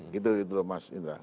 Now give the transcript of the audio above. gitu dulu mas indra